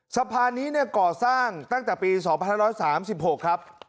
สะพานนี้เนี่ยก่อสร้างตั้งแต่ปีสองพันธานด้อยสามสิบหกครับ